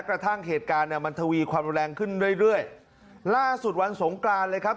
กระทั่งเหตุการณ์มันทวีความแรงขึ้นเรื่อยล่าสุดวันสงกราญเลยครับ